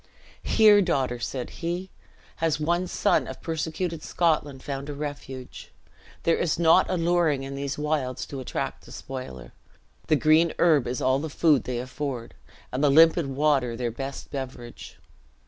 "Here, daughter," said he, "has one son of persecuted Scotland found a refuge. There is naught alluring in these wilds to attract the spoiler. The green herb is all the food they afford, and the limpid water their best beverage."